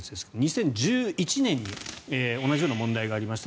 ２０１１年に同じような問題がありました。